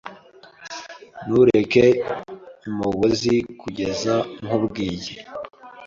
Ntureke umugozi kugeza nkubwiye.